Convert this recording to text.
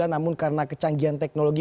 namun karena kecanggihan teknologi